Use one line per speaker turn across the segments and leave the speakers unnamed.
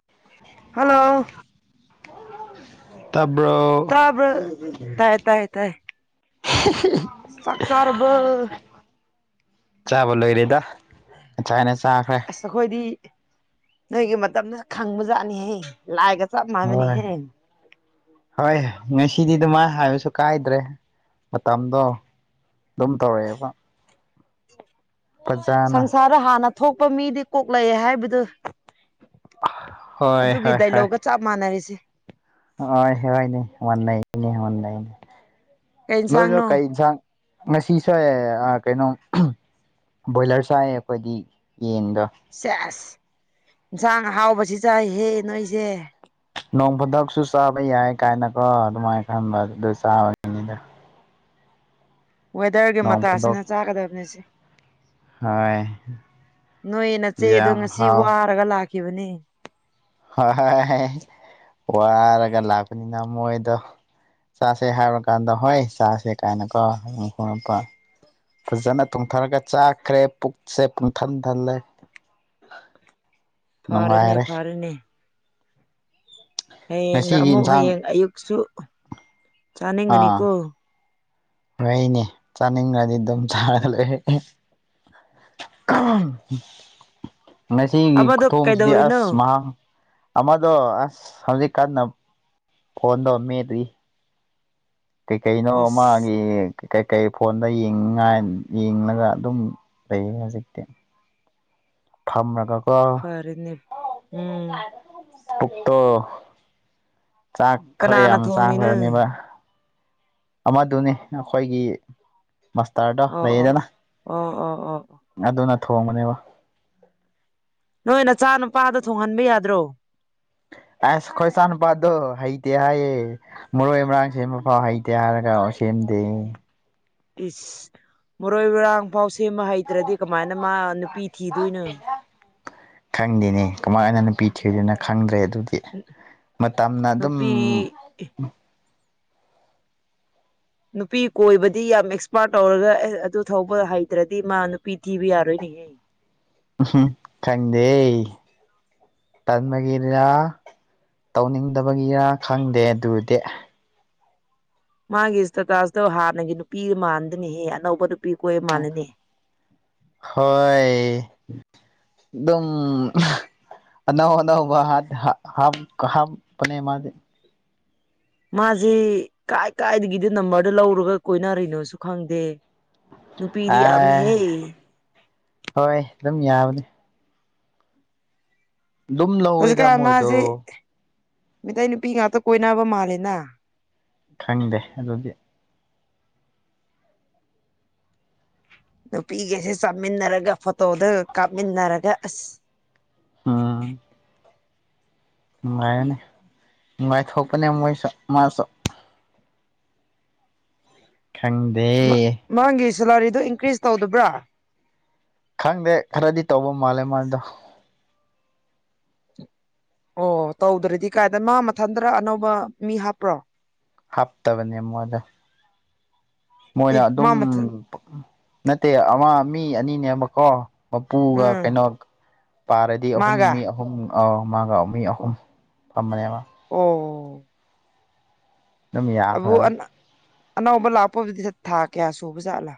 [inaudible]
hello
ꯇꯥꯕ꯭ꯔꯣ
ꯇꯥꯕ꯭ꯔ ꯇꯥꯏ ꯇꯥꯏ ꯇꯥꯏ ꯆꯥꯛ ꯆꯥꯔꯕꯣ
ꯆꯥꯕ ꯂꯣꯏꯔꯦꯗꯁꯥꯏꯅ ꯆꯥꯈ꯭ꯔꯦ
ꯑꯩꯈꯣꯏꯗꯤ ꯅꯣꯏꯒꯤ ꯃꯇꯝꯗ ꯈꯪꯕꯖꯥꯠꯅꯤꯍꯦ ꯂꯥꯛꯑꯒ ꯆ ꯃꯥꯃꯤꯅꯤ
ꯍꯣꯏ
ꯍꯦ
ꯍꯣꯏ ꯉꯁꯤꯗꯤ ꯑꯗꯨꯃꯥꯏ ꯍꯥꯏꯕꯁꯨ ꯀꯥꯏꯗ꯭ꯔꯦ ꯃꯇꯝꯗꯣ ꯑꯗꯨꯝ ꯇꯧꯔꯛꯑꯦꯕ ꯐꯖꯅ
ꯁꯪꯁꯥꯔꯗ ꯍꯥꯟꯅ ꯊꯣꯛꯄ ꯃꯤꯗꯤ ꯀꯣꯛꯂꯛꯦ ꯍꯥꯏꯕꯗꯨ
ꯍꯣꯏ
ꯑꯗꯨꯒꯤ
ꯍꯣꯏ ꯍꯣꯏ
ꯗꯥꯏꯂꯣꯛꯒ ꯆꯞ ꯃꯥꯟꯅꯔꯤꯁꯦ
ꯍꯣꯏ ꯍꯣꯏꯅꯦ ꯃꯥꯟꯅꯩꯅꯦ ꯃꯥꯟꯅꯩꯅꯦ
ꯀꯩ
ꯅꯣꯏꯗꯣ
ꯏꯟꯁꯥꯡꯅꯣ
ꯀꯔꯤ ꯏꯟꯁꯥꯡ ꯉꯁꯤꯁꯦ ꯀꯩꯅꯣ ꯕꯣꯏꯂꯔ ꯆꯥꯏꯌꯦ ꯑꯩꯈꯣꯏꯗꯤ ꯌꯦꯟꯗꯣ
ꯆꯦꯢꯁ ꯏꯟꯁꯥꯡ ꯑꯍꯥꯎꯕꯁꯤ ꯆꯥꯏꯍꯦ ꯅꯣꯏꯁꯦ
ꯅꯣꯡ ꯐꯥꯗꯣꯛꯁꯨ ꯆꯥꯕ ꯌꯥꯏ ꯀꯥꯏꯅꯀꯣ ꯑꯗꯨꯃꯥꯏ ꯈꯟꯕ ꯑꯗꯨꯗ ꯆꯥꯕꯅꯤꯗ
ꯋꯦꯗꯔꯒꯤ
ꯅꯣꯡ ꯐꯥꯗꯣꯛ
ꯃꯇꯥꯁꯤꯅ ꯆꯥꯒꯗꯕꯅꯤꯁꯦ
ꯍꯣꯏ
ꯅꯣꯏ ꯅꯆꯦꯗꯣ
ꯌꯥꯝ
ꯉꯁꯤ
ꯍꯥꯎ
ꯋꯥꯔꯒ ꯂꯥꯛꯈꯤꯕꯅꯦ
ꯍꯣꯏ ꯍꯣꯏ ꯋꯥꯔꯒ ꯂꯥꯛꯄꯅꯤꯅ ꯃꯣꯏꯗꯣ ꯆꯥꯁꯦ ꯍꯥꯏꯔꯀꯥꯟꯗ ꯍꯣꯏ ꯆꯥꯁꯦ ꯀꯥꯏꯅꯀꯣ ꯑꯗꯨꯝ ꯈꯣꯡꯉꯥꯀꯣ ꯐꯖꯅ ꯇꯨꯡꯊꯔꯒ ꯆꯥꯛꯈ꯭ꯔꯦ ꯄꯨꯛꯁꯦ ꯄꯨꯡꯊꯟ ꯊꯜꯂꯦ
ꯐꯔꯦꯅꯦ
ꯅꯨꯡꯉꯥꯏꯔꯦ
ꯐꯔꯅꯦ ꯍꯌꯦꯡꯅ
ꯉꯁꯤꯒꯤ
ꯑꯃꯨꯛ
ꯏꯟꯁꯥꯡ
ꯍꯌꯦꯡ ꯑꯌꯨꯛꯁꯨ ꯆꯥꯅꯤꯡꯒꯅꯤꯀꯣ
ꯑꯥ ꯍꯣꯏꯅꯦ ꯆꯥꯅꯤꯡꯈ꯭ꯔꯗꯤ ꯑꯗꯨꯝ ꯆꯥꯔꯒ ꯂꯩ [unintelligible] ꯉꯁꯤꯒꯤ ꯈꯨ
ꯑꯃꯗꯣ
ꯊꯣꯡꯁꯤꯗꯤ
ꯀꯩꯗꯧꯔꯤꯅꯣ
ꯑꯁ ꯃꯍꯥꯛ ꯑꯃꯗꯣ ꯑꯁ ꯍꯧꯖꯤꯛ ꯀꯟꯅ ꯐꯣꯟꯗꯣ ꯃꯦꯠꯔꯤ ꯀꯩ ꯀꯩꯅꯣ
ꯏꯁ
ꯃꯥꯒꯤ ꯀꯩꯀꯩ ꯐꯣꯟꯗ ꯌꯦꯡꯅꯉꯥꯏ ꯌꯦꯡꯂꯒ ꯑꯗꯨꯝ ꯂꯩꯌꯦ ꯍꯧꯖꯤꯛꯇꯤ ꯐꯝꯃꯒꯀꯣ
ꯐꯅꯤ ꯎꯝ
ꯎꯞꯛꯇ ꯆꯥꯛ ꯈꯔ
ꯀꯅꯥꯅ
ꯌꯥꯝ
ꯊꯣꯡꯉꯤꯅꯣ
ꯆꯥꯈ꯭ꯔꯕꯅꯦꯕ ꯑꯃꯗꯨꯅꯤ ꯑꯩꯈꯣꯏꯒꯤ ꯃꯥꯁꯇꯔꯗ
ꯑꯣ ꯑꯣ ꯑꯣ ꯑꯣ ꯑꯣ ꯑꯣ
ꯑꯗꯨꯅ ꯊꯣꯡꯕꯅꯦꯕ
ꯅꯣꯏ ꯅꯆꯥ ꯅꯨꯨꯄꯥꯗ ꯊꯣꯡꯍꯟꯕ ꯌꯥꯗ꯭ꯔꯣ
ꯑꯥꯏꯁ ꯈꯣꯏ ꯏꯆꯥꯅꯨꯄꯥꯗꯣ ꯍꯩꯇꯦ ꯍꯥꯏꯌꯦ ꯃꯔꯣꯏ ꯃꯔꯥꯡ ꯁꯦꯝꯕ ꯐꯥꯎ ꯍꯩꯇꯦ ꯍꯥꯏꯔꯒ ꯁꯦꯝꯗꯦ
ꯏꯁ ꯃꯣꯔꯣꯏ ꯃꯔꯥꯡꯐꯥꯎ ꯁꯦꯝꯕ ꯍꯩꯇ꯭ꯔꯗꯤ ꯀꯃꯥꯏꯅ ꯃꯥ ꯅꯨꯄꯤ ꯊꯤꯗꯣꯏꯅꯣ
ꯈꯪꯗꯦꯅꯦ ꯀꯃꯥꯏꯅ ꯅꯨꯄꯤ ꯊꯤꯗꯣꯏꯅꯣ ꯈꯪꯗ꯭ꯔꯦ ꯑꯗꯨꯗꯤ ꯃꯇꯝꯅ ꯑꯗꯨꯝ
ꯅꯨꯄꯤ ꯅꯨꯄꯤ ꯀꯣꯏꯕꯗꯤ ꯌꯥꯝ ꯑꯦꯛꯁꯄꯥꯔꯠ ꯇꯧꯔꯒ ꯑꯦ ꯑꯗꯨ ꯊꯧꯕ ꯍꯩꯇ꯭ꯔꯗꯤ ꯃꯥ ꯅꯨꯄꯤ ꯊꯤꯕ ꯌꯥꯔꯣꯏꯅꯦꯍꯦ
ꯎꯝ ꯈꯪꯗꯦ ꯇꯟꯕꯒꯤꯔꯥ ꯇꯧꯅꯤꯡꯗꯕꯒꯤꯔꯥ ꯈꯪꯗꯦ ꯑꯗꯨꯗꯤ
ꯃꯥꯒꯤ ꯏꯁꯇꯦꯇꯥꯁꯇꯣ ꯍꯥꯟꯅꯒꯤ ꯅꯨꯄꯤ ꯃꯥꯟꯗꯅꯤꯍꯦ ꯑꯅꯧꯕ ꯅꯨꯄꯤ ꯀꯣꯏꯕ ꯃꯥꯟꯅꯤꯅꯦ
ꯍꯣꯏ ꯑꯦꯗꯝ ꯑꯅꯧ ꯑꯅꯧꯕ ꯍꯥꯠ ꯍꯥ ꯍꯥꯞ ꯀ ꯍꯥꯞ ꯄꯅꯦ ꯃꯥꯗꯤ
ꯃꯥꯁꯦ ꯀꯥꯏ ꯀꯥꯏꯗꯒꯤꯗ ꯅꯝꯕꯔꯗ ꯂꯧꯔꯒ ꯀꯣꯏꯅꯔꯤꯅꯣꯁꯨ ꯈꯪꯗꯦ ꯅꯨꯄꯤꯗꯤ
ꯑ
ꯌꯥꯝꯃꯤꯍꯦ
ꯍꯣꯏ ꯑꯗꯨꯝ ꯌꯥꯕꯅꯤ ꯑꯗꯨꯝ ꯂꯧꯋꯦꯗ
ꯍꯧꯖꯤꯛꯀꯥꯟ ꯃꯥꯁꯤ
ꯃꯣꯏꯗꯣ
ꯃꯤꯇꯩꯩ ꯅꯨꯄꯤ ꯉꯥꯛꯇ ꯀꯣꯏꯅꯕ ꯃꯥꯜꯂꯦꯅ
ꯈꯪꯗꯦ ꯑꯗꯨꯗꯤ
ꯅꯨꯄꯤꯒꯩꯁꯦ ꯆꯥꯃꯤꯟꯅꯔꯒ ꯐꯣꯇꯣꯗꯒ ꯀꯥꯞꯃꯤꯟꯅꯔꯒ ꯑꯁ
ꯑꯥ ꯅꯨꯡꯉꯥꯏꯔꯅꯤ ꯅꯨꯡꯒꯥꯏꯊꯣꯛꯄꯅꯦ ꯃꯣꯏꯁꯨ ꯃꯥꯁꯨ ꯈꯪꯗꯦ
ꯃꯥꯒꯤ ꯁꯦꯂꯥꯔꯤꯗꯣ ꯏꯟꯀ꯭ꯔꯤꯁ ꯇꯧꯗꯕ꯭ꯔꯥ
ꯈꯪꯗꯦ ꯈꯔꯗꯤ ꯇꯧꯕ ꯃꯥꯜꯂꯦ ꯃꯥꯗꯣ
ꯑꯣ ꯇꯧꯗ꯭ꯔꯗꯤ ꯀꯥꯏꯗꯅ ꯃꯥ ꯃꯊꯟꯇ ꯑꯅꯧꯕ ꯃꯤ ꯍꯥꯞꯄ꯭ꯔꯣ
ꯍꯥꯞꯇꯕꯅꯦ ꯃꯣꯏꯗꯣ ꯃꯣꯏꯅ
ꯑꯦ ꯃꯥ
ꯑꯗꯨꯝ
ꯃꯊꯟ
ꯅꯠꯇꯦ ꯑꯃ ꯃꯤ ꯑꯅꯤꯅꯦꯕꯀꯣ ꯃꯄꯨꯒ
ꯎꯝ
ꯀꯩꯅꯣ ꯄꯥꯔꯗꯤ ꯑꯍꯨꯝ
ꯃꯥꯒ
ꯃꯤ ꯑꯍꯨꯝ ꯃꯥꯒ ꯃꯤ ꯑꯍꯨꯝ ꯐꯝꯕꯅꯦꯕ
ꯑꯣ
ꯑꯗꯨꯝ
ꯑꯕꯨ
ꯌꯥꯈ꯭ꯔꯕꯅꯤ
ꯑꯅ ꯑꯅꯧꯕ ꯂꯥꯛꯄꯕꯨꯗꯤ ꯊꯥ ꯀꯌꯥ ꯁꯨꯕ ꯖꯥꯠꯂꯥ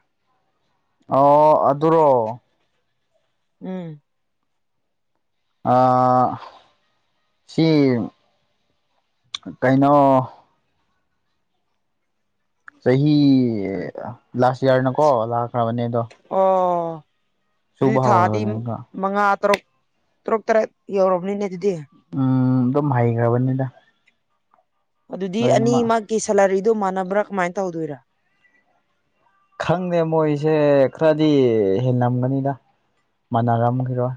ꯑꯣ ꯑꯗꯨꯔꯣ
ꯎꯝ
ꯑꯥ ꯁꯤ ꯀꯩꯅꯣ ꯆꯍꯤ ꯂꯥꯁ ꯏꯌꯥꯔꯅꯀꯣ ꯂꯥꯛꯈ꯭ꯔꯕꯅꯦ ꯑꯗꯣ
ꯑꯣ ꯑꯗꯨꯗꯤ
ꯁꯨꯕ
ꯊꯥꯗꯤ
ꯍꯧꯔꯕꯅꯤꯅ
ꯃꯉꯥ ꯇꯔꯨꯛ ꯇꯔꯨꯛ ꯇꯔꯦꯠ ꯌꯧꯔꯕꯅꯤꯅꯦ ꯑꯗꯨꯗꯤ
ꯎꯝ ꯑꯗꯨꯝ ꯍꯩꯒ꯭ꯔꯕꯅꯤꯗ
ꯑꯗꯨꯗꯤ ꯑꯅꯤꯃꯛꯀꯤ ꯁꯦꯂꯔꯤꯗꯨ ꯃꯥꯟꯅꯕ꯭ꯔꯥ ꯀꯃꯥꯏꯅ ꯇꯧꯗꯣꯏꯔꯥ
ꯈꯪꯗꯦ ꯃꯣꯏꯁꯦ ꯈꯔꯗꯤ ꯍꯦꯜꯂꯝꯒꯅꯤꯗ ꯃꯥꯟꯅꯔꯝꯈꯤꯔꯣꯏ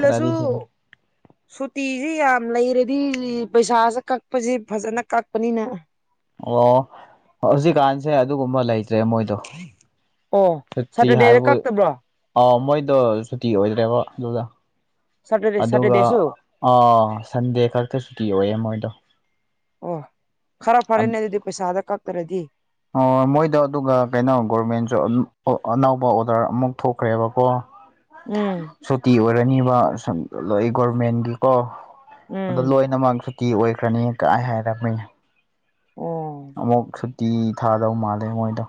ꯈꯔꯗꯤ ꯍꯦꯜꯂꯤ
ꯁꯨꯇꯤꯁꯤ ꯌꯥꯝ ꯂꯩꯔꯗꯤ ꯄꯩꯁꯥꯁꯦ ꯀꯛꯄꯁꯦ ꯐꯖꯅ ꯀꯛꯄꯅꯤꯅ
ꯑꯣ ꯍꯧꯖꯤꯛꯀꯥꯟꯁꯦ ꯑꯗꯨꯒꯨꯝꯕ ꯂꯩꯇ꯭ꯔꯦ ꯃꯣꯏꯗꯣ
ꯑꯣ
ꯁꯨꯇꯤ
ꯁꯇꯔꯗꯦꯗ
ꯍꯥꯏꯕꯕꯨ
ꯀꯛꯇꯕ꯭ꯔꯣ
ꯑ ꯃꯣꯏꯗꯣ ꯁꯨꯇꯤ ꯑꯣꯏꯗ꯭ꯔꯦꯕ ꯑꯗꯨꯗꯣ
ꯁꯇꯔꯗꯦ
ꯑꯗꯨꯒ
ꯁꯇꯔꯗꯦꯁꯨ
ꯁꯟꯗꯦ ꯈꯛꯇ ꯁꯨꯇꯤ ꯑꯣꯏꯌꯦꯦ ꯃꯣꯏꯗꯣ
ꯑꯣ ꯈꯔ ꯐꯔꯦꯅꯦ ꯑꯗꯨꯗꯤ ꯄꯩꯁꯥꯗ ꯀꯛꯇ꯭ꯔꯗꯤ
ꯑꯣ ꯃꯣꯏꯗ ꯑꯗꯨꯒ ꯀꯩꯅꯣ ꯒꯣꯔꯃꯦꯟꯁꯨ ꯑꯅꯧꯕ ꯑꯣꯔꯗꯔ ꯑꯃꯨꯛ ꯊꯣꯛꯈ꯭ꯔꯦꯕꯀꯣ
ꯎꯝ
ꯁꯨꯇꯤ ꯑꯣꯏꯔꯅꯤꯕ ꯁꯨꯝ ꯒꯣꯔꯃꯦꯟꯒꯤꯀꯣ
ꯎꯝ
ꯑꯗ ꯂꯣꯏꯅꯃꯛ ꯁꯨꯇꯤ ꯑꯣꯏꯈ꯭ꯔꯅꯤ ꯀꯥꯏ ꯍꯥꯏꯔꯝꯃꯤꯅꯦ
ꯑꯣ
ꯑꯃꯨꯛ ꯁꯨꯇꯤ ꯊꯥꯗꯧ ꯃꯥꯜꯂꯦ ꯃꯣꯏꯗꯣ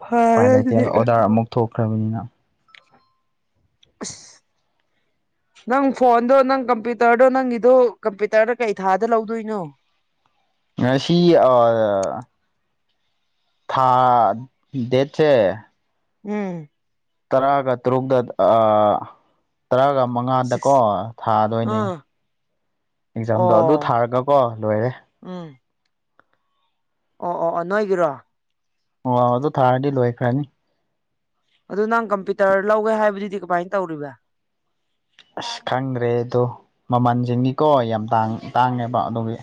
ꯐꯔꯦ
ꯄꯥꯏ ꯂꯩꯇꯦ
ꯑꯗꯨꯗꯤ
ꯑꯣꯔꯗꯔ ꯑꯃꯨꯛ ꯊꯣꯛꯈ꯭ꯔꯕꯅꯤꯅ
ꯑꯁ ꯅꯪ ꯐꯣꯟꯗꯣ ꯅꯪ ꯀꯝꯄ꯭ꯌꯨꯇꯔꯗꯣ ꯅꯪꯒꯤꯗꯣ ꯀꯝꯄ꯭ꯌꯨꯇꯔꯗ ꯀꯩ ꯊꯥꯗ ꯂꯧꯗꯣꯏꯅꯣ
ꯉꯁꯤ ꯑꯥ ꯊꯥ ꯗꯦꯠꯁꯦ
ꯎꯝ
ꯇꯔꯥꯒ ꯇꯔꯨꯛꯒ ꯑꯥ ꯇꯔꯥꯒ ꯃꯉꯥꯗꯀꯣ
ꯁꯤꯛꯁ
ꯊꯥꯗꯣꯏꯅꯦ
ꯑꯥ
ꯑꯦꯛꯖꯥꯝꯗꯣ ꯑꯗꯨ
ꯑꯣ
ꯊꯥꯔꯒꯀꯣ ꯂꯣꯏꯔꯦ
ꯎꯝ ꯑꯣ ꯑꯣ ꯑꯣ ꯅꯣꯏꯒꯤꯔꯣ
ꯑꯣ ꯑ ꯑꯗꯨ ꯊꯥꯔꯗꯤ ꯂꯣꯏꯈ꯭ꯔꯅꯤ
ꯑꯗꯨ ꯅꯪ ꯀꯝꯄ꯭ꯌꯨꯇꯔ ꯂꯧꯒꯦ ꯍꯥꯏꯕꯗꯨꯗꯤ ꯀꯃꯥꯏꯅ ꯇꯧꯔꯤꯕ
ꯑꯁ ꯈꯪꯗ꯭ꯔꯦ ꯑꯗꯣ ꯃꯃꯜꯁꯤꯡꯗꯤꯀꯣ ꯌꯥꯝ ꯇꯥꯡ ꯇꯥꯡꯉꯦꯕ ꯑꯗꯨꯒꯤ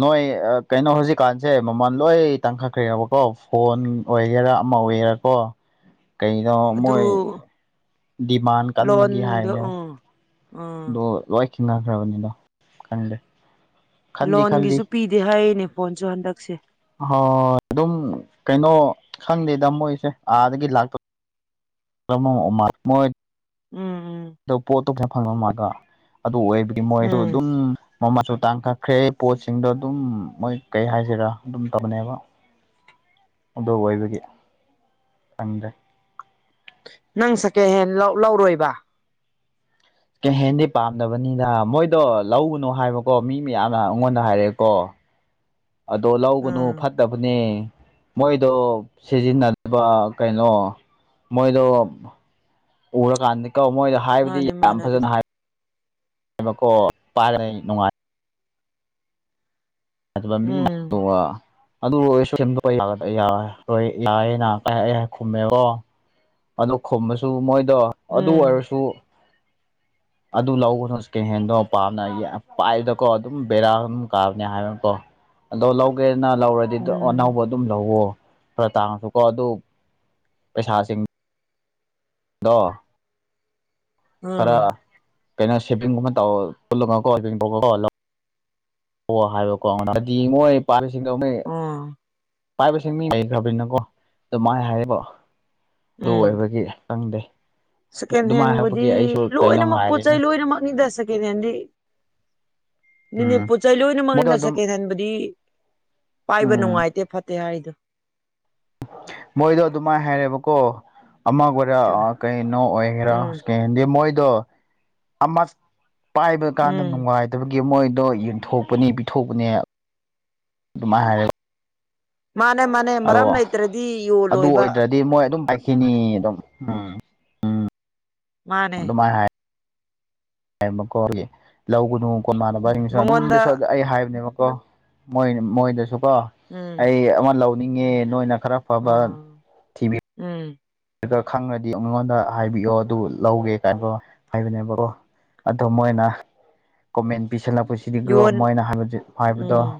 ꯅꯣꯏ ꯀꯩꯅꯣ ꯍꯧꯖꯤꯛꯀꯥꯟꯁꯦ ꯃꯃꯜ ꯂꯣꯏ ꯇꯥꯡꯈꯠꯈ꯭ꯔꯦꯕꯀꯣ ꯐꯣꯟ ꯑꯣꯏꯒꯦꯔꯥ ꯑꯃ ꯑꯣꯏꯒꯦꯔꯥꯀꯣ
[inaudible]
ꯀꯗꯣ
ꯑꯗꯨ
ꯃꯣꯏ ꯗꯤꯃꯥꯟ ꯀꯟꯕꯒꯤ
ꯂꯣꯟꯗꯣ
ꯍꯥꯏꯕꯅꯦ
ꯎꯝ ꯎꯝ
ꯑꯗꯣ ꯂꯣꯏ ꯈꯤꯅꯈ꯭ꯔꯕꯅꯤꯗꯣ ꯈꯂꯦ
ꯂꯣꯟꯒꯤꯁꯨ ꯄꯤꯗꯦ ꯍꯥꯏꯔꯤꯅꯦ ꯐꯣꯟꯁꯨ ꯍꯟꯗꯛꯁꯦ
ꯍꯣꯏ ꯑꯗꯨꯝ ꯀꯩꯅꯣ ꯈꯪꯗꯦꯗ ꯃꯣꯏꯁꯦ ꯑꯥꯗꯒꯤ ꯂꯥꯛꯇꯣꯏ ꯃꯥ ꯃꯣꯏ
ꯎꯝ ꯎꯝ
ꯑꯣ ꯄꯣꯠꯇꯣ ꯐꯅ ꯐꯪꯕꯝ ꯃꯥꯒ ꯑꯗꯨ ꯑꯣꯏꯕꯗꯤ ꯃꯣꯏꯁꯨ ꯑꯗꯨꯝ
ꯎꯝ
ꯃꯃꯁꯨ ꯇꯥꯡꯈꯠꯈ꯭ꯔꯦ ꯄꯣꯠꯁꯤꯡꯗꯣ ꯑꯗꯨꯝ ꯃꯣꯏ ꯀꯩ ꯍꯥꯏꯁꯤꯔꯥ ꯑꯗꯨꯝ ꯇꯕꯅꯦꯕ ꯎꯗꯧ ꯑꯣꯏꯕꯒꯤ ꯐꯪꯗ꯭ꯔꯦ
ꯅꯪ ꯁꯦꯀꯦꯟ ꯍꯦꯟ ꯂꯧꯔꯣꯏꯕ
ꯀꯩꯍꯦꯟꯗꯤ ꯄꯥꯝꯗꯕꯅꯤꯗ ꯃꯣꯏꯗꯣ ꯂꯧꯕꯅꯨ ꯍꯥꯏꯕꯀꯣ ꯃꯤ ꯃꯌꯥꯝꯅ ꯑꯩꯉꯣꯟꯗ ꯍꯥꯏꯔꯛꯑꯦꯀꯣ ꯑꯗꯣ ꯂꯧꯒꯅꯨ
ꯎꯝ
ꯐꯠ ꯆꯠꯇꯕꯅꯤ ꯃꯣꯏꯗꯣ ꯁꯤꯖꯤꯟꯅꯗꯕ ꯀꯩꯅꯣ ꯃꯣꯏꯗꯣ ꯎꯔꯀꯥꯟꯗ ꯀꯧ ꯃꯣꯏꯗ ꯍꯥꯏꯕꯗꯤ
ꯃꯥꯅꯦ
ꯌꯥꯝ
ꯃꯥꯅꯦ
ꯐꯖꯅ
ꯑꯗꯨꯗꯤ
ꯍꯥꯏꯕ ꯄꯥꯔ ꯅꯨꯡꯉꯥꯏ ꯑꯗꯋꯥꯃꯤ
ꯎꯝ
ꯇ ꯑꯗꯨ ꯂꯣꯏ ꯁ ꯌꯥꯑꯦꯅ ꯀ ꯈꯨꯝꯃꯦꯕꯣ ꯑꯗꯨ ꯈꯨꯝꯕꯁꯨ ꯃꯣꯏꯗꯣ ꯑꯗꯨ
ꯎꯝ
ꯑꯣꯏꯔꯁꯨ
[inaudible]
ꯑꯗꯨ ꯂꯒꯅꯨ ꯏꯁꯀꯩ ꯍꯦꯟꯗꯣ ꯄꯥꯝꯅ ꯄꯥꯏꯕꯗꯀꯣ ꯑꯗꯨꯝ ꯕꯦꯔꯥ ꯑꯗꯨꯝ ꯀꯥꯕꯅꯦ ꯍꯥꯏꯕꯅꯀꯣ ꯑꯗꯣ ꯂꯧꯒꯦꯅ ꯂꯧꯔꯗꯤ
ꯎꯝ
ꯑꯅꯧꯕ ꯑꯗꯨꯝ ꯂꯧꯋꯣ ꯈꯔ ꯇꯥꯡꯉꯁꯨꯀꯣ ꯑꯗꯨ ꯄꯩꯁꯥꯁꯤꯡ [unintelligible] ꯈꯔ
ꯎꯝ
ꯀꯩꯅꯣ ꯁꯦꯞꯚꯤꯡꯒꯨꯝꯕ ꯇꯜꯣ ꯑꯣ ꯍꯥꯏꯕꯣꯀꯣꯗꯤ ꯃꯣꯏ ꯄꯥꯁꯤꯡꯗꯧꯅꯦ
ꯎꯝ
ꯄꯥꯏꯕꯁꯦ ꯃꯤ ꯂꯩꯈ꯭ꯔꯕꯤꯅꯀꯣ ꯑꯗꯨ ꯃꯥꯥꯏ ꯍꯥꯏꯔꯤꯕ ꯑꯗꯨ
ꯎꯝ
ꯑꯣꯏꯕꯒꯤ ꯈꯪꯗꯦ
ꯁꯦꯀꯦꯟ
ꯑꯗꯨꯃꯥꯏꯅ
ꯍꯦꯟꯕꯨꯗꯤ
ꯍꯥꯏꯔꯛꯄꯒꯤ ꯑꯩꯁꯨ ꯀꯩꯅꯣ
ꯂꯣꯏꯅꯃꯛ ꯄꯣꯠ
ꯉꯥꯏꯔꯤꯅꯤ
ꯆꯩꯩ ꯂꯣꯏꯅꯃꯛꯅꯤꯗ ꯁꯦꯀꯦꯟ ꯍꯦꯟꯗꯤ ꯅꯅꯦ
ꯎꯝ
ꯄꯣꯠ ꯆꯩ
ꯃꯣꯏꯗꯣ
ꯂꯣꯏꯅꯃꯛꯅꯤꯅ
ꯑꯗꯨꯝ
ꯁꯦꯀꯦꯟ ꯍꯦꯟꯕꯨꯗꯤ ꯄꯥꯏꯕ
ꯎꯝ
ꯅꯨꯡꯉꯥꯏꯇꯦ ꯐꯠꯇꯦ ꯍꯥꯏꯔꯤꯗꯣ
ꯃꯣꯏꯗꯣ ꯑꯗꯨꯃꯥꯏꯅ ꯍꯥꯏꯔꯦꯕꯀꯣ ꯑꯃ ꯑꯣꯏꯔꯥ ꯀꯩꯅꯣ ꯑꯣꯏꯒꯦꯔꯥ
ꯎꯝ
ꯗꯤ ꯃꯣꯏꯗꯣ ꯑꯃ ꯄꯥꯏꯕ ꯀꯥꯟꯗ
ꯎꯝ
ꯅꯨꯡꯉꯥꯏ ꯑꯗꯨꯒꯤ ꯃꯣꯏꯗꯣ ꯌꯦꯟꯊꯣꯛꯄꯅꯤ ꯄꯤꯊꯣꯛꯄꯅꯦ ꯑꯗꯨꯃꯥꯏꯅ ꯍꯥꯏꯔꯒ
ꯃꯥꯅꯦ ꯃꯥꯅꯦ
ꯑꯗꯣ
ꯃꯔꯝ ꯂꯩꯇ꯭ꯔꯗꯤ
ꯑꯗꯨ
ꯌꯣꯜꯂꯣꯏꯕ
ꯑꯣꯏꯗ꯭ꯔꯗꯤ ꯃꯣꯏ ꯑꯗꯨꯝ ꯄꯥꯏꯈꯤꯅꯤ ꯑꯗꯨꯝꯝ
ꯃꯥꯅꯦ
[unintelligible] ꯍꯥꯏꯕꯀꯣ ꯑꯗꯨꯒꯤ [unintelligible] ꯃꯥꯟꯅꯕ ꯑꯁꯨ ꯑꯗꯨꯝ
ꯃꯉꯣꯟꯗ
ꯑꯩ ꯍꯥꯏꯕꯅꯦꯕꯀꯣ ꯃꯣꯏ ꯃꯣꯏꯗꯁꯨ ꯀꯣ
ꯎꯝ
ꯑꯩ ꯑꯃ ꯂꯧꯅꯤꯡꯉꯦ ꯅꯣꯏꯅ ꯈꯔ ꯐꯕ
ꯑꯣ ꯎꯝ
ꯑꯗꯨ ꯈꯪꯉꯔꯗꯤ ꯑꯩꯉꯣꯟꯗ ꯍꯥꯏꯕꯤꯑꯣ ꯑꯗꯨ ꯂꯧꯒꯦ ꯀꯥꯏꯕ ꯍꯥꯏꯕꯅꯦꯕ ꯀꯣ ꯑꯗꯣ ꯃꯣꯏꯅ ꯀꯣꯃꯦꯟ ꯄꯤꯁꯜꯂꯛꯄꯁꯤ ꯁꯤꯗꯤꯒ꯭ꯔꯣ
ꯌꯣꯟ
ꯃꯣꯏꯅ ꯍꯥꯏꯕ ꯍꯥꯏꯕꯗꯣ
ꯎꯝ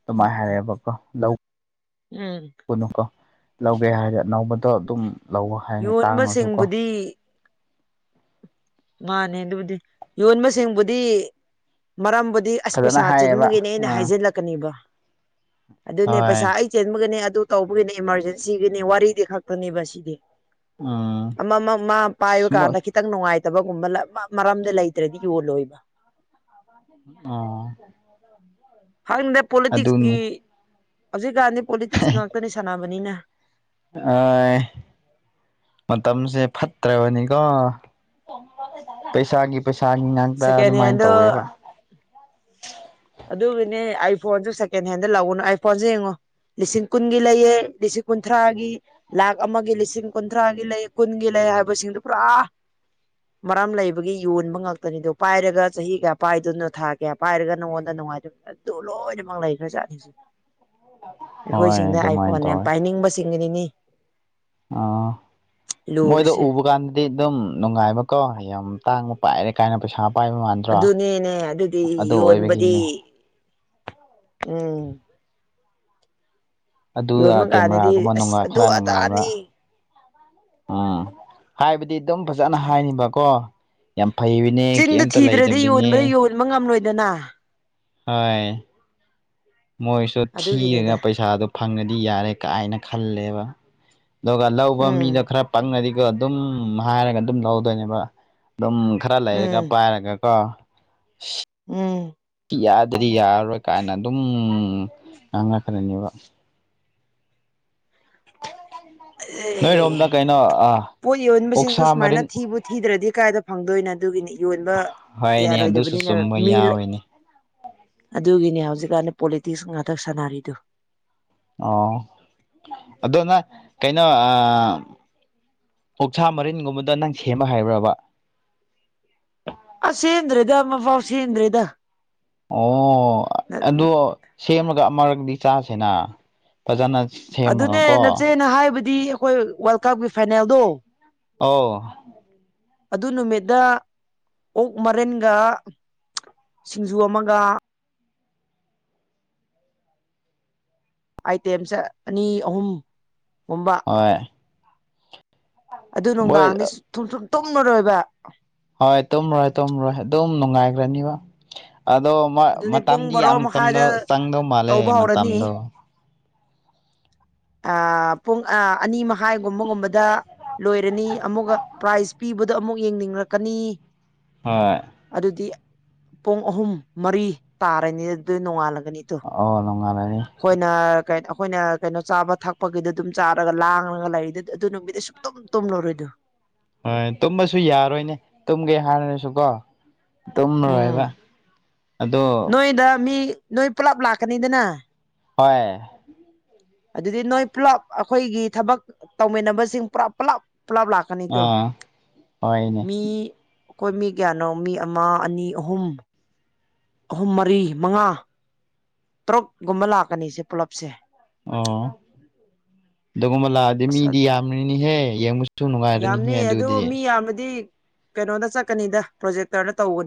ꯑꯗꯨꯃꯥꯏꯅ ꯍꯥꯏꯔꯦꯕꯀꯣ ꯂꯧ
ꯎꯝ
ꯀꯅꯨꯀꯣ ꯂꯧꯒꯦ ꯍꯥꯏꯔ ꯑꯅꯧꯕꯗꯣ ꯑꯗꯨꯝ ꯂꯧ ꯍꯥꯏꯅ ꯇꯥꯡꯉꯁꯨ ꯀꯣ
ꯌꯣꯟꯕꯁꯤꯡꯕꯨꯗꯤ ꯃꯥꯅꯦ ꯑꯗꯨꯕꯨꯗꯤ ꯌꯣꯟꯕꯁꯤꯡꯕꯨꯗꯤ ꯃꯔꯝꯕꯨꯗꯤ ꯑꯁ
ꯐꯖꯅ
ꯄꯩꯁꯥ
ꯍꯥꯏꯌꯦꯕ
ꯆꯤꯟꯕꯒꯦꯅꯦ ꯑꯩꯅ
ꯑꯥ
ꯍꯥꯏꯖꯤꯜꯂꯛꯀꯅꯦꯕ ꯑꯗꯨꯅꯦ
ꯍꯣꯏ
ꯄꯩꯁꯥ ꯑꯩ ꯆꯦꯟꯕꯒꯤꯅꯤ ꯑꯗꯨ ꯇꯧꯕꯒꯤꯅꯤ ꯏꯃꯥꯔꯖꯦꯟꯁꯤꯒꯤꯅꯤ ꯋꯥꯔꯤꯗꯤ ꯈꯛꯇꯅꯦꯕ ꯁꯤꯗꯤ
ꯎꯝ
ꯑ ꯃꯥ ꯄꯥꯏꯌꯨ
ꯃꯣꯏ
ꯀꯥꯟꯅꯈꯤ ꯈꯤꯇꯪ ꯅꯨꯡꯉꯥꯏꯇꯕꯒꯨꯝꯕ ꯃꯔꯝꯗ ꯂꯩꯇ꯭ꯔꯗꯤ ꯌꯣꯜꯂꯣꯏꯕ
ꯑꯥ
ꯍꯥꯟꯅꯗ ꯄꯣꯂꯤꯇꯤꯛꯁꯀꯤ
ꯑꯗꯨꯅꯤ
ꯍꯧꯖꯤꯛꯀꯥꯟꯗꯤ ꯄꯣꯂꯤꯇꯤꯛꯁ ꯉꯥꯛꯇꯅꯤ ꯁꯥꯟꯅꯕꯅꯤꯅ
[unintelligible] ꯃꯇꯝꯁꯦ ꯐꯠꯇ꯭ꯔꯕꯅꯤꯀꯣ ꯄꯩꯁꯥꯒꯤ ꯄꯩꯁꯥꯒꯤ ꯉꯥꯛꯇ
ꯁꯦꯀꯦꯟ
ꯑꯗꯨꯃꯥꯏꯅ
ꯍꯦꯟꯗꯣ
ꯇꯧꯋꯦꯕ
ꯑꯗꯨꯒꯤꯅꯦ ꯑꯥꯏ ꯐꯣꯟꯁꯨ ꯁꯦꯀꯦꯟ ꯍꯦꯟꯗ ꯂꯥꯛꯎꯅꯨ ꯑꯥꯏ ꯐꯣꯟꯁꯦ ꯌꯦꯡꯉꯣ ꯂꯤꯁꯤꯡ ꯀꯨꯟꯒꯤ ꯂꯩꯌꯦ ꯂꯤꯁꯤꯡ ꯀꯨꯟꯊ꯭ꯔꯥꯒꯤ ꯂꯥꯛ ꯑꯃꯒꯤ ꯂꯤꯁꯤꯡ ꯀꯨꯟꯊ꯭ꯔꯥꯒꯤ ꯂꯩ ꯀꯨꯟꯒꯤ ꯂꯩ ꯍꯥꯏꯕꯁꯤꯡꯗꯨ ꯄꯨꯔꯥ ꯃꯔꯝ ꯂꯩꯕꯒꯤ ꯌꯣꯟꯕ ꯉꯥꯛꯇꯅꯤꯗꯣ ꯄꯥꯏꯔꯒ ꯆꯍꯤ ꯀꯌꯥ ꯄꯥꯏꯗꯣꯏꯅꯣ ꯊꯥ ꯀꯌꯥ ꯄꯥꯏꯔꯒ ꯅꯉꯣꯟ ꯅꯨꯡꯉꯥꯏꯇꯕ ꯑꯗꯨ ꯂꯣꯏꯅꯃꯛ ꯂꯩꯈ꯭ꯔꯖꯥꯠꯅꯤꯁꯦ
ꯍꯣꯏ
ꯑꯩꯈꯣꯏꯁꯤꯡꯗ
ꯑꯗꯨꯃꯥꯏꯅ
ꯑꯥꯏꯐꯣꯟ ꯌꯥꯝ
ꯇꯧꯋꯦ
ꯄꯥꯏꯅꯤꯡꯕ ꯆꯤꯡꯅꯤꯅꯤ
ꯑꯥ ꯃꯣꯏꯗꯣ
ꯂꯨꯔꯤꯁꯦ
ꯎꯕ ꯀꯥꯟꯗꯗꯤ ꯑꯗꯨꯝ ꯅꯨꯡꯉꯥꯏꯕꯀꯣ ꯌꯥꯝ ꯇꯥꯡꯕ ꯄꯥꯏꯔꯦ ꯀꯥꯏꯅ ꯄꯩꯁꯥ ꯄꯥꯏꯕ ꯃꯥꯟꯗ꯭ꯔꯣ
ꯑꯗꯨꯅꯦꯅꯦ ꯑꯗꯨꯗꯤ
ꯑꯗꯨ
ꯌꯣꯟꯕꯗꯤ
ꯑꯣꯏꯕꯒꯤꯅꯤ
ꯎꯝ
ꯑꯗꯨꯔ
ꯌꯣꯟꯕ ꯀꯥꯟꯗꯗꯤ
ꯀꯦꯃꯦꯔꯥꯒꯨꯝꯕ
ꯑꯁ
ꯅꯨꯡꯉꯥꯢ
ꯑꯗꯨ
ꯈꯔ ꯅꯨꯡꯉꯥꯏꯕ
ꯑꯗꯥꯅꯤ
ꯑꯥ ꯍꯥꯏꯕꯗꯤ ꯑꯗꯨꯝ ꯐꯖꯅ ꯍꯥꯏꯅꯤꯕꯀꯣ ꯌꯥꯝ ꯐꯩ ꯅꯦ ꯀꯩꯝꯇ ꯂꯩꯇꯕꯤꯅꯦ
ꯕ ꯉꯝꯂꯣꯏꯗꯅ
ꯍꯥꯢ ꯃꯣꯏꯁꯨ
ꯑꯗꯨꯒꯤꯅꯤꯗ
ꯊꯤꯔꯅ ꯄꯩꯁꯥꯗꯣ ꯐꯪꯉꯗꯤ ꯌꯥꯔꯦ ꯀꯥꯏꯅ ꯈꯜꯂꯦꯕ ꯑꯗꯨꯒ ꯂꯧꯕ ꯃꯤꯗꯣ
ꯎꯝ
ꯈꯔ ꯄꯪꯉꯗꯤꯀꯣ ꯑꯗꯨꯝ ꯍꯥꯏꯔꯒ ꯑꯗꯨꯝ ꯂꯧꯗꯣꯏꯅꯦꯕ ꯑꯗꯨꯝ ꯈꯔ ꯂꯩꯔꯒ
ꯎꯝ
ꯄꯥꯏꯔꯒꯀꯣ
ꯎꯝ
ꯌꯥꯗ꯭ꯔꯗꯤ ꯌꯥꯔꯔꯣꯏ ꯀꯥꯏꯅ ꯑꯗꯨꯝ ꯉꯥꯡꯉꯛꯈ꯭ꯔꯅꯤꯕ
[inaudible]
ꯅꯣꯏꯔꯣꯝꯗ
ꯑꯦ
ꯀꯩꯅꯣ ꯑ
ꯄꯣꯠ ꯌꯣꯟꯕꯁꯤꯡꯗꯨ ꯁꯨꯃꯥꯏꯅ ꯊꯤꯕꯨ ꯊꯤꯗ꯭ꯔꯗꯤ ꯀꯥꯏꯗ ꯐꯪꯗꯣꯏꯅꯣ ꯑꯗꯨꯒꯤꯅꯤ ꯌꯣꯟꯕ
ꯍꯣꯏꯅꯦ ꯑꯗꯨꯁꯨ
ꯌꯥꯔꯣꯏꯗꯕꯅꯤꯅ
ꯆꯨꯝꯕ
ꯃꯤ
ꯌꯥꯎꯋꯤꯅꯦ
ꯑꯗꯨꯒꯤꯅꯦ ꯍꯧꯖꯤꯛꯀꯥꯟꯗ ꯄꯣꯂꯤꯇꯤꯛꯁ ꯉꯥꯛꯇꯛ ꯁꯥꯟꯅꯔꯤꯗꯨ
ꯑꯣ ꯑꯗꯣ ꯅꯪ ꯀꯩꯅꯣ ꯑꯥ ꯍꯣꯛꯁꯥ ꯃꯔꯤꯟꯒꯨꯝꯕꯗ ꯅꯪ ꯁꯦꯝꯕ ꯍꯥꯏꯕ꯭ꯔꯥꯕ
ꯑꯁ ꯆꯦꯟꯗ꯭ꯔꯦꯗ ꯑꯃꯄꯥꯎ ꯆꯦꯟꯗ꯭ꯔꯦꯗ
ꯑꯣ ꯑꯗꯣ ꯁꯦꯝꯃꯒ ꯑꯃꯔꯛꯗꯤ ꯆꯥꯁꯤꯅ ꯐꯖꯅ
ꯑꯗꯨꯅꯦ
ꯁꯦꯝꯃꯒꯀꯣ
ꯅꯆꯦꯅ ꯍꯥꯏꯕꯗꯤ ꯑꯩꯈꯣꯏ ꯋꯥꯔꯜ ꯀꯞꯀꯤ ꯐꯥꯏꯅꯦꯜꯗꯣ
ꯑꯥꯎ
ꯑꯗꯨ ꯅꯨꯃꯤꯠꯗ ꯑꯣꯛ ꯃꯔꯤꯟꯒ ꯁꯤꯡꯖꯨ ꯑꯃꯒ ꯑꯥꯏꯇꯦꯝꯁꯦ ꯑꯅꯤ ꯑꯍꯨꯝꯒꯨꯝꯕ
ꯍꯣꯏ
ꯑꯗꯨ
ꯃꯣꯏ
ꯅꯨꯡꯗꯥꯡꯗꯤꯨꯝ ꯇꯨꯝꯂꯔꯣꯏꯕ
ꯍꯣꯏ ꯇꯨꯝꯃꯣꯏ ꯇꯨꯝꯃꯔꯣꯏ ꯑꯗꯨꯝ ꯅꯨꯡꯉꯥꯏꯈ꯭ꯔꯅꯤꯕ ꯑꯗꯣ
ꯑꯗꯨꯅꯦ ꯄꯨꯡ
ꯃꯇꯝꯗꯤ
ꯕꯥꯔꯣ
ꯌꯥꯝꯧ
ꯃꯈꯥꯏꯗ
ꯆꯪꯗꯧ ꯃꯥꯜꯂꯦ
ꯇꯧꯕ ꯍꯧꯔꯅꯤ
ꯃꯇꯝꯗꯣ
ꯄꯨꯡ ꯑ ꯑꯅꯤꯃ ꯍꯥꯏꯒꯨꯝꯕꯒꯨꯝꯕꯗ ꯂꯣꯏꯔꯅꯤ ꯑꯃꯨꯛꯀ ꯄ꯭ꯔꯥꯏꯖ ꯄꯤꯕꯗꯣ ꯑꯃꯨꯛ ꯌꯦꯡꯅꯤꯡꯔꯛꯀꯅꯤ
ꯍꯣꯏ
ꯑꯗꯨꯗꯤ ꯄꯨꯡ ꯑꯍꯨꯝ ꯃꯔꯤ ꯇꯥꯔꯅꯤ ꯑꯗꯨ ꯅꯣꯡꯉꯥꯜꯂꯒꯅꯤ ꯇꯨ
ꯑꯣ ꯅꯣꯡꯉꯥꯜꯂꯅꯤ
ꯑꯩꯈꯣꯏꯅ ꯀ ꯑꯩꯈꯣꯏꯅ ꯀꯩꯅꯣ ꯆꯥꯕ ꯊꯛꯄꯒꯤꯗꯣ ꯑꯗꯨꯝ ꯆꯥꯔꯒ ꯂꯥꯡꯉꯒ ꯂꯩꯔꯤꯗꯨ ꯑꯗꯨ ꯅꯨꯃꯤꯠꯇ ꯁꯨ ꯇꯨꯝ ꯇꯨꯝꯂꯔꯣꯏꯗꯨ
ꯍꯣꯏ ꯇꯨꯝꯕꯁꯨ ꯌꯥꯔꯣꯏꯅꯦ ꯇꯨꯝꯒꯦ ꯍꯥꯏꯔꯁꯨ ꯀꯣ
ꯎꯝ
ꯑꯗꯣ
ꯅꯣꯏꯗ ꯃꯤ ꯅꯣꯏ ꯄꯨꯂꯞ ꯂꯥꯛꯀꯅꯤꯗꯅ
ꯍꯣꯏ
ꯑꯗꯨꯗꯤ ꯅꯣꯏ ꯄꯨꯂꯞ ꯑꯩꯈꯣꯏꯒꯤ ꯊꯕꯛ ꯇꯧꯃꯤꯟꯅꯕꯁꯤꯡ ꯄꯨꯂꯞ ꯄꯨꯂꯞ ꯄꯨꯂꯞ ꯂꯥꯛ ꯀꯅꯤꯗꯣ
ꯑꯥ ꯍꯣꯏꯅꯦ
ꯃꯤ ꯑꯩꯈꯣꯏ ꯃꯤ ꯀꯌꯥꯅꯣ ꯃꯤ ꯑꯃ ꯑꯅꯤ ꯑꯍꯨꯝ ꯑꯍꯨꯝ ꯃꯔꯤ ꯃꯉꯥ ꯇ꯭ꯔꯛꯒꯨꯝꯕ ꯂꯥꯛꯀꯅꯤꯁꯦ ꯄꯨꯂꯞꯁꯦ
ꯑꯣ ꯑꯗꯨꯒꯨꯝꯕ ꯂꯥꯛꯑꯗꯤ
ꯑꯁ
ꯃꯤꯗꯤ ꯌꯥꯝꯕꯅꯤꯍꯦ ꯌꯦꯡꯕꯁꯨ ꯅꯨꯡꯉꯥꯏꯔꯅꯤꯍꯦ
ꯌꯥꯝꯅꯤ ꯑꯗꯨ
ꯑꯗꯨꯗꯤ
ꯃꯤ ꯌꯥꯝꯕꯗꯤ ꯀꯩꯅꯣꯗ ꯆꯠꯀꯅꯤꯗ ꯄ꯭ꯔꯣꯖꯦꯛꯇꯔꯗ ꯇꯧꯕꯅꯤ